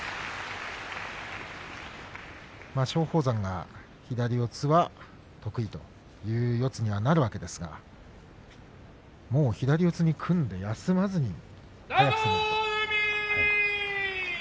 松鳳山に左四つは得意という四つにはなるわけですがもう左四つに組んで休まずに攻めました。